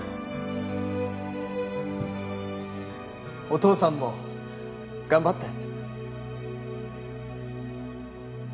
お父さんも頑張って。